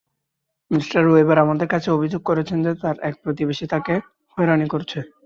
Mr Weber আমাদের কাছে অভিযোগ করেছেন যে তার এক প্রতিবেশী তাকে হয়রানি করছে।